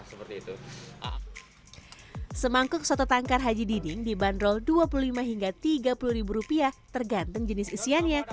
semangkuk soto tangkar haji diding dibanderol dua puluh lima hingga tiga puluh ribu rupiah tergantung jenis isiannya